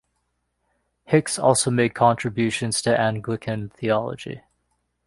Hickes also made contributions to Anglican theology.